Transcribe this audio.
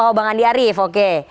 oh bang andi arief oke